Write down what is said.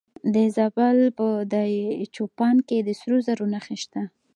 د زابل په دایچوپان کې د سرو زرو نښې شته.